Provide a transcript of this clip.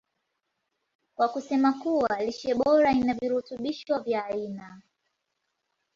kwa kusema kuwa lishe bora ina virutubisho vya aina